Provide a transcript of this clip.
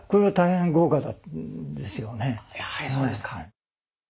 やはりそうですか。